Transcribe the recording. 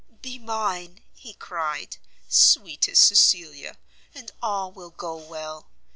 "Be mine," he cried, "sweetest Cecilia, and all will go well.